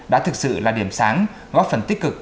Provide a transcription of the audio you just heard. đã thực sự là điểm sáng góp phần tích cực